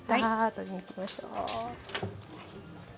取りに行きましょう。